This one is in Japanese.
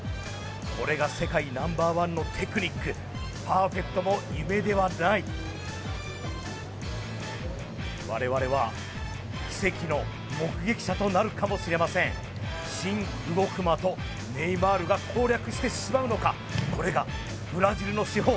これが世界Ｎｏ．１のテクニックパーフェクトも夢ではない我々は奇跡の目撃者となるかもしれません新・動く的ネイマールが攻略してしまうのかこれがブラジルの至宝